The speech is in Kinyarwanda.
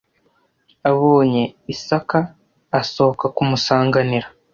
abonye isaka asohoka kumusanganira